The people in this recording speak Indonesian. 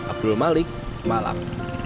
abdul malik malam